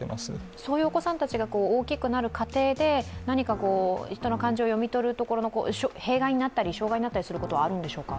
そういうお子さんたちが大きくなる過程で何か人の感情を読み取るところの弊害になったり、障害になったりすることはあるんでしょうか？